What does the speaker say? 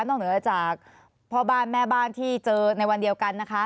เหนือจากพ่อบ้านแม่บ้านที่เจอในวันเดียวกันนะคะ